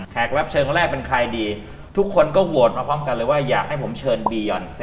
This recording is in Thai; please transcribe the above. แขกรับเชิงแรกเป็นใครดี